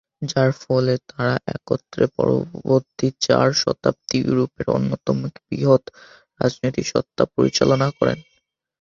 যার ফলে তারা একত্রে পরবর্তী চার শতাব্দী ইউরোপের অন্যতম বৃহত্তম রাজনৈতিক সত্তা পরিচালনা করেন।